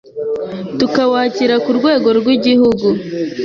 tukawakira ku rwego rw’igihugu,